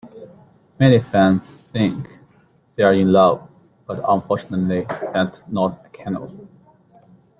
Many fans think they're in love, but unfortunately that's not canon.